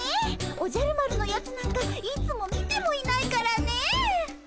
おじゃる丸のやつなんかいつも見てもいないからねえ。